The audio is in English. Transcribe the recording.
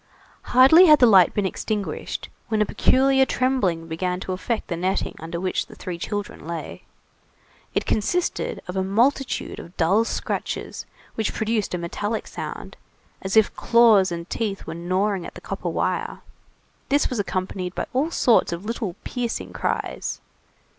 Hardly had the light been extinguished, when a peculiar trembling began to affect the netting under which the three children lay. It consisted of a multitude of dull scratches which produced a metallic sound, as if claws and teeth were gnawing at the copper wire. This was accompanied by all sorts of little piercing cries.